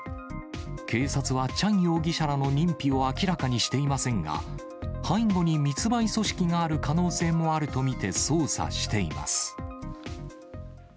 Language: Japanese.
警察はチャン容疑者らの認否を明らかにしていませんが、背後に密売組織がある可能性もあると見て捜査しています。